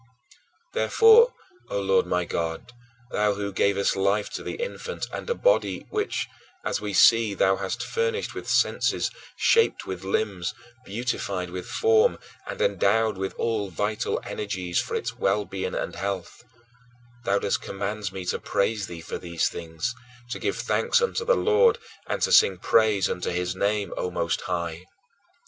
12. Therefore, O Lord my God, thou who gavest life to the infant, and a body which, as we see, thou hast furnished with senses, shaped with limbs, beautified with form, and endowed with all vital energies for its well being and health thou dost command me to praise thee for these things, to give thanks unto the Lord, and to sing praise unto his name, O Most High.